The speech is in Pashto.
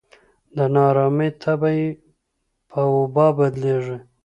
د نا ارامۍ تبه یې په وبا بدلېږي.